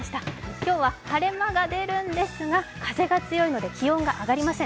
今日は晴れ間が出るんですが、風が強いので気温が上がりません。